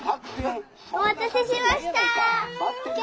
お待たせしました！